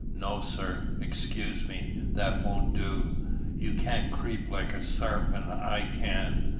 "No, sir; excuse me; that won't do. You can't creep like a sarpent. I can.